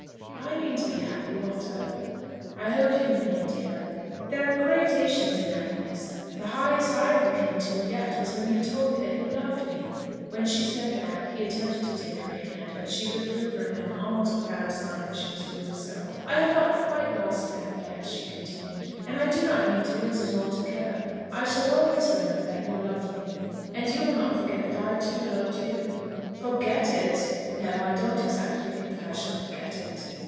"I mean to be happy, Walter." "I hope you may, dear." "There are gradations in happiness. The highest I ever came to yet was when you told me that you loved me." When she said that, he attempted to take her hand, but she withdrew from him, almost without a sign that she was doing so. "I have not quite lost that yet," she continued, "and I do not mean to lose it altogether. I shall always remember that you loved me; and you will not forget that I too loved you." "Forget it? no, I don't exactly think that I shall forget it."